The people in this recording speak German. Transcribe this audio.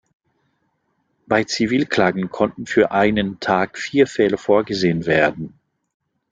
Bei Zivilklagen konnten für einen Tag vier Fälle vorgesehen werden.